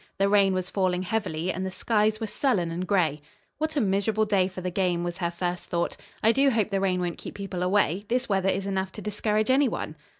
The rain was falling heavily and the skies were sullen and gray. "What a miserable day for the game," was her first thought. "I do hope the rain won't keep people away. This weather is enough to discourage any one."